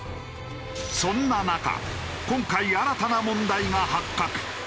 そんな中今回新たな問題が発覚。